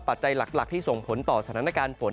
ปัจจัยหลักที่ส่งผลต่อสถานการณ์ฝน